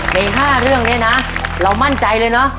ใน๕เรื่องนี้นะเรามั่นใจเลยเนอะ